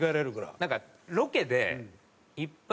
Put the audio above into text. なんかロケでいっぱい